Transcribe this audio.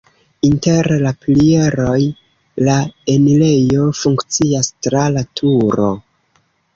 Inter la pilieroj la enirejo funkcias tra la turo.